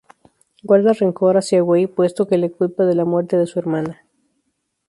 Guarda rencor hacia Wei puesto que le culpa de la muerte de su hermana.